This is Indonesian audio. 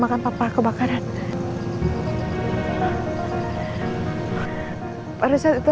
tanpa batas waktu